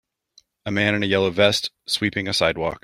A man in a yellow vest sweeping a sidewalk.